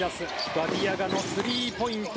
ガディアガのスリーポイント。